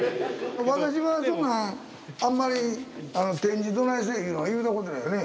私はそんなんあんまり展示どないせいいうのは言うたことないよね？